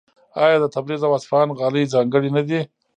آیا د تبریز او اصفهان غالۍ ځانګړې نه دي؟